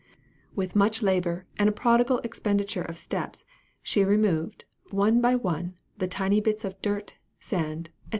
With much labor, and a prodigal expenditure of steps, she removed, one by one, the tiny bits of dirt, sand &c.